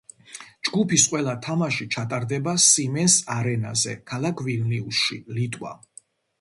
ჯგუფის ყველა თამაში ჩატარდება სიმენს არენაზე ქალაქ ვილნიუსში, ლიტვა.